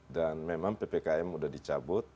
memang ppkm sudah dicabut